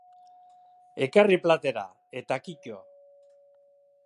Ekarri platera, eta kito.